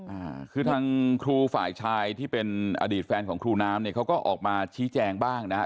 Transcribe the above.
อ่าคือทางครูฝ่ายชายที่เป็นอดีตแฟนของครูน้ำเนี่ยเขาก็ออกมาชี้แจงบ้างนะฮะ